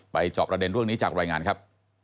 จอบประเด็นเรื่องนี้จากรายงานครับ